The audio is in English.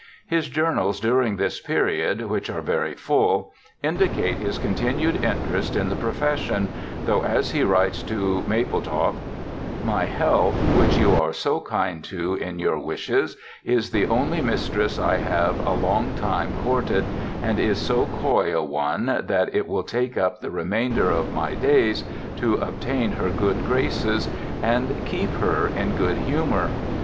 His journals during this period, which are very full, indicate his continued interest in the profession, though, as he writes to Mapletoft, ' My health, which you are so kind to in your wishes, is the only mistress I have a long time courted, and is so coy a one that it will take up the remainder of my days to obtain her good graces and keep her in good humour.